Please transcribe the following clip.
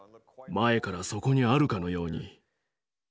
前からそこにあるかのように。